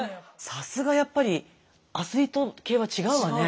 さすがやっぱりアスリート系は違うわね。